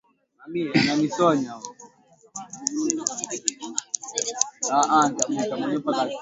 tabia za pekee hasa katika maeneo ya jalidi ya kudumu